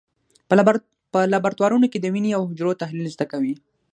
په لابراتوارونو کې د وینې او حجرو تحلیل زده کوي.